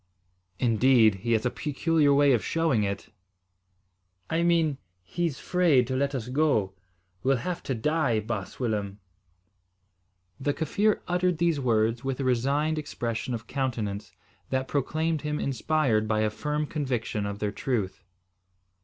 "Indeed! He has a peculiar way of showing it." "I mean, he's 'fraid to let us go. We'll have to die, baas Willem." The Kaffir uttered these words with a resigned expression of countenance, that proclaimed him inspired by a firm conviction of their truth.